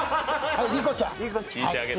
はい、りこちゃん。